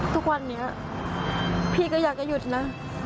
ทุกวันนี้พี่ก็อยากจะหยุดนะ